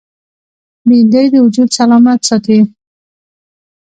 بېنډۍ د وجود سلامت ساتي